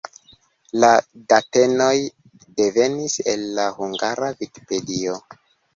La datenoj devenis el la Hungara Vikipedio.